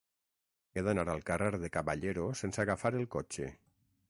He d'anar al carrer de Caballero sense agafar el cotxe.